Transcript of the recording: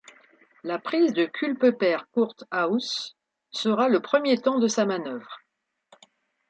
La prise de Culpeper Court House sera le premier temps de sa manœuvre.